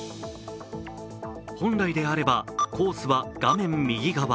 本来であればコースは画面右側。